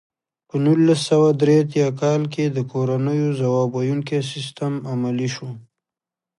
په نولس سوه درې اتیا کال کې د کورنیو ځواب ویونکی سیستم عملي شو.